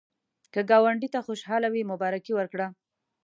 که ګاونډي ته خوشالي وي، مبارکي ورکړه